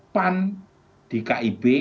pan di kib